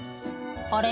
「あれ？